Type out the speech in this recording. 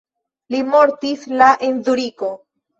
Li mortis la en Zuriko.